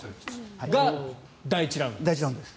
が、第１ラウンド。